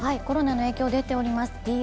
コロナの影響、出ています。